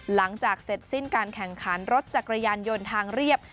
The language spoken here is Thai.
หลังจากเสร็จสิ้นการแข่งขันรถจักรยานยนต์ทางเรียบ